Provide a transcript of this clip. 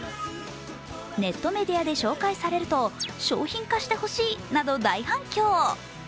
ネットメディアで紹介されると商品化してほしいなど大反響。